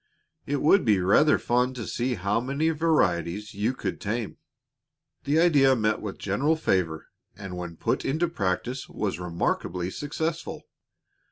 It would be rather fun to see how many varieties you could tame." The idea met with general favor and when put into practice was remarkably successful.